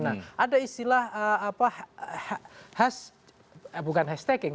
nah ada istilah khas bukan hashtag